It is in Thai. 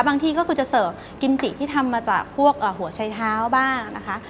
ที่ก็คือจะเสิร์ฟกิมจิที่ทำมาจากพวกหัวชัยเท้าบ้างนะคะ